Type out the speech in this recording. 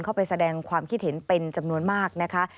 เข้าไปแสดงความคิดเห็นเป็นจำนวนมากนะคะ